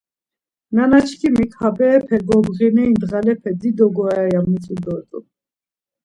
Nanaçkimik ha berepe gobğineri dğalepe dido gorare ya mitzu dort̆un.